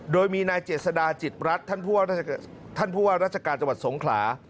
โดยมีนายเจษฎาจิตรัฐท่านผู้ว่าราชการจังหวัดสงขลา